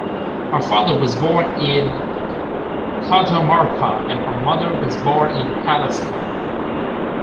Her father was born in Cajamarca and her mother was born in Pallasca.